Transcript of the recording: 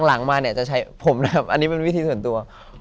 หลังมาเนี่ยจะใช้ผมนะครับอันนี้เป็นวิธีส่วนตัว